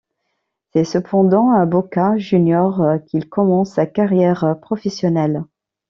C'est cependant à Boca Juniors qu'il commence sa carrière professionnelle.